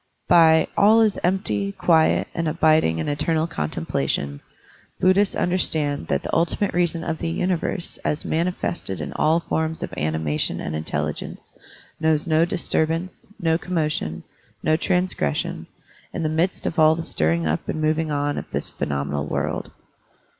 By A11 is empty, quiet, and abiding in eternal Digitized by Google 144 SERMONS OF A BUDDHIST ABBOT contemplation, Buddhists understand that the ultimate reason of the universe as manifested in all forms of animation and intelligence knows no disturbance, no commotion, no transgression, in the midst of all the stirring up and moving on of this phenomenal world.